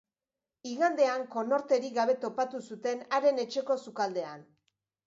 Igandean konorterik gabe topatu zuten haren etxeko sukaldean.